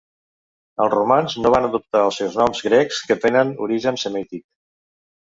Els romans no van adoptar els seus noms grecs, que tenen origen semític.